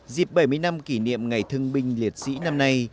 dịp bảy mươi năm kỷ niệm ngày thương binh liệt sĩ năm nay